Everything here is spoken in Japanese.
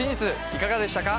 いかがでしたか？